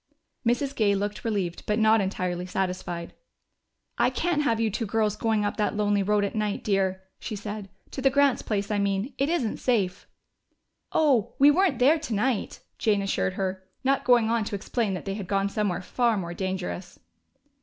Mrs. Gay looked relieved but not entirely satisfied. "I can't have you two girls going up that lonely road at night, dear," she said. "To the Grants' place, I mean. It isn't safe." "Oh, we weren't there tonight," Jane assured her, not going on to explain that they had gone somewhere far more dangerous.